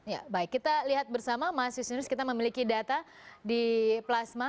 ya baik kita lihat bersama mas justinus kita memiliki data di plasma